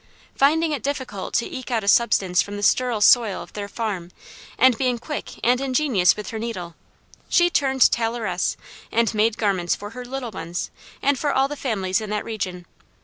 Finding it difficult to eke out a subsistence from the sterile soil of their farm, and being quick and ingenious with her needle, she turned tailoress and made garments for her little ones, and for all the families in that region.